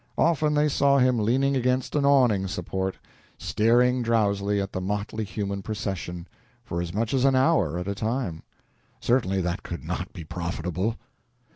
Often they saw him leaning against an awning support, staring drowsily at the motley human procession, for as much as an hour at a time. Certainly that could not be profitable.